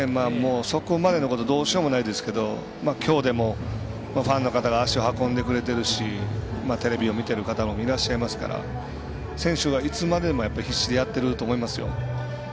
そこまでのことどうしようもないですけど今日でもファンの方が足を運んでくれてるしテレビを見ている方もいらっしゃいますから選手は、いつまでも必死でやってると思いますよ。